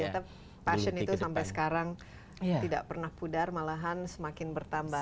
dan ternyata passion itu sampai sekarang tidak pernah pudar malahan semakin bertambah